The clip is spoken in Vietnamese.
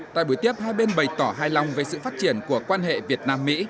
tại buổi tiếp hai bên bày tỏ hài lòng về sự phát triển của quan hệ việt nam mỹ